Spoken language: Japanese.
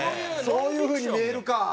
そういう風に見えるか。